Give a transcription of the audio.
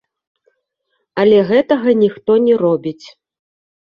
Але гэтага ніхто не робіць.